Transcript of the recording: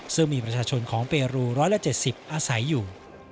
ซึ่งมีประชาชนของเปรู๑๗๐อาศัยอยู่